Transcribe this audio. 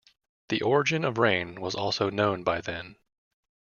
The origin of rain was also known by then.